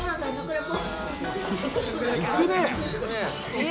いくねえ！